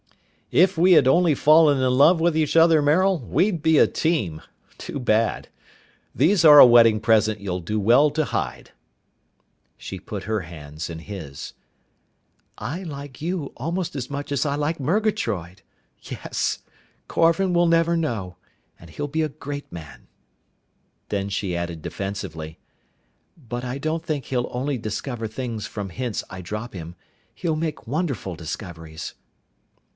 "If we had only fallen in love with each other, Maril, we'd be a team! Too bad! These are a wedding present you'll do well to hide." She put her hands in his. "I like you almost as much as I like Murgatroyd! Yes! Korvan will never know, and he'll be a great man." Then she added defensively, "But I don't think he'll only discover things from hints I drop him. He'll make wonderful discoveries."